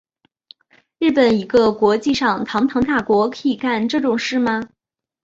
日本一个国际上堂堂大国可以干这种事吗？